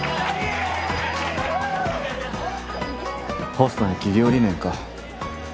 ホストに企業理念か。